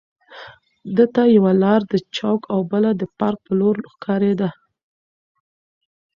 ده ته یوه لار د چوک او بله د پارک په لور ښکارېده.